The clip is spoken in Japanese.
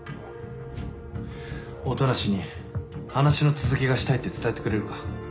音無に話の続きがしたいって伝えてくれるか？